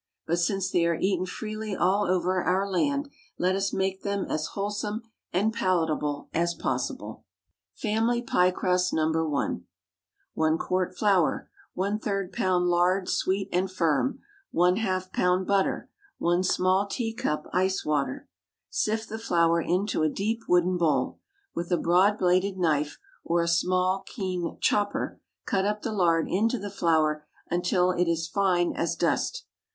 But since they are eaten freely all over our land, let us make them as wholesome and palatable as possible. FAMILY PIE CRUST (No. 1.) ✠ 1 quart flour. ⅓ lb. lard, sweet and firm. ½ lb. butter. 1 small teacup ice water. Sift the flour into a deep wooden bowl. With a broad bladed knife, or a small keen "chopper," cut up the lard into the flour until it is fine as dust.